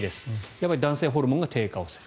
やっぱり男性ホルモンが低下をする。